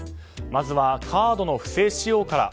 まずはカードの不正使用から。